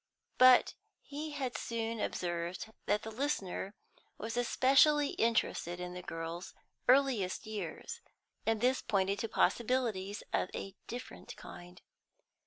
But he had soon observed that the listener was especially interested in the girl's earliest years, and this pointed to possibilities of a different kind.